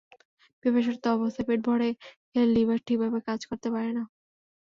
পিপাসার্ত অবস্থায় পেট ভরে খেলে লিভার ঠিকভাবে কাজ করতে পারে না।